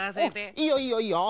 いいよいいよいいよ。